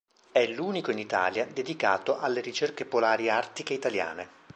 È l'unico in Italia dedicato alle ricerche polari artiche italiane.